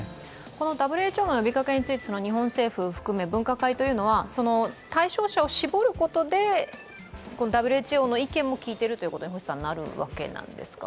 ＷＨＯの呼びかけについて、日本政府、分科会というのは対象者を絞ることでＷＨＯの意見も聞いているということになるわけですか。